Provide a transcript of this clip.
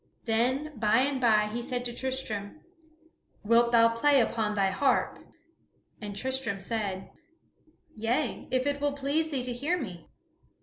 Then by and by he said to Tristram, "Wilt thou play upon thy harp?" And Tristram said, "Yea, if it will please thee to hear me."